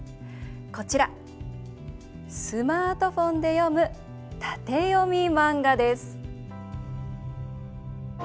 こちら、スマートフォンで読む縦読み漫画です。